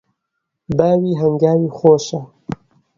باوی هەنگاوی خۆشە